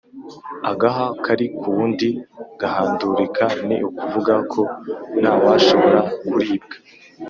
agahwa kari ku wundi gahandurika- ni ukuvuga ko ntawashobora kuribwa